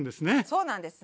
そうなんです。